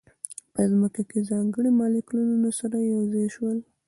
په ځمکه کې ځانګړي مالیکولونه سره یو ځای شول.